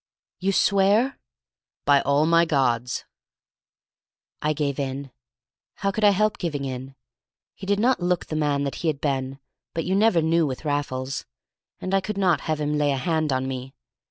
"You swear?" "By all my gods." I gave in. How could I help giving in? He did not look the man that he had been, but you never knew with Raffles, and I could not have him lay a hand on me.